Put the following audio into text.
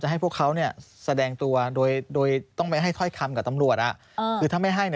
ติดต่อเข้ามาบอกไหม